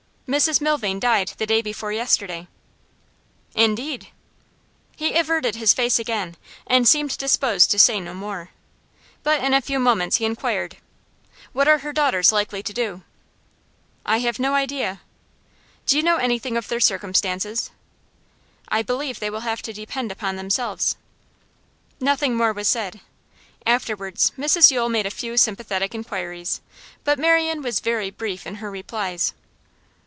'Mrs Milvain died the day before yesterday.' 'Indeed!' He averted his face again and seemed disposed to say no more. But in a few moments he inquired: 'What are her daughters likely to do?' 'I have no idea.' 'Do you know anything of their circumstances?' 'I believe they will have to depend upon themselves.' Nothing more was said. Afterwards Mrs Yule made a few sympathetic inquiries, but Marian was very brief in her replies.